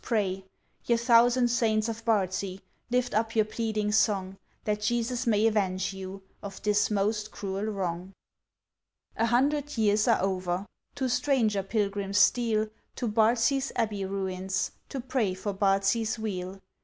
pray! Ye thousand Saints of Bardsey, Lift up your pleading song, That Jesus may avenge you, Of this most cruel wrong! A hundred years are over, Two stranger pilgrims steal, To Bardsey's Abbey ruins, To pray for Bardsey's weal.